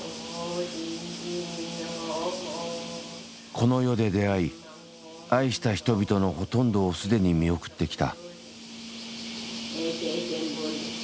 この世で出会い愛した人々のほとんどを既に見送ってきた。